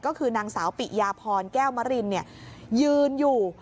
ก็คือนางสาวปิยาพรแก้วมรินยืนอยู่